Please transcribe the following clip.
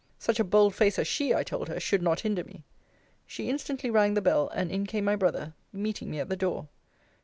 Such a bold face, as she, I told her, should not hinder me. She instantly rang the bell, and in came my brother, meeting me at the door.